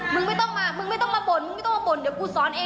มึงไม่ต้องมามึงไม่ต้องมาบ่นมึงไม่ต้องมาบ่นเดี๋ยวกูสอนเอง